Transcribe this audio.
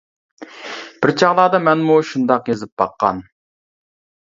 بىر چاغلاردا مەنمۇ شۇنداق يېزىپ باققان.